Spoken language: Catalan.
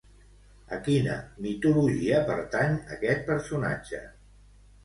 A quina mitologia pertany aquest personatge?